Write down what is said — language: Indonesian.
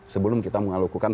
sebelum kita mengalukkan penolakan